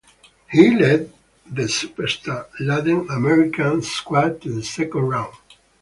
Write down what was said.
He led the superstar-laden American squad to the second round.